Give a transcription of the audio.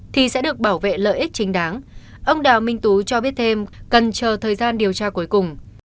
thì sẽ được bảo vệ lợi ích chính đáng ông đào minh tú cho biết thêm cần chờ thời gian điều tra cuối cùng